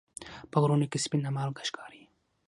په غرونو کې سپینه مالګه ښکاري.